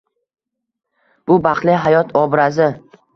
Bu baxtli hayot obrazi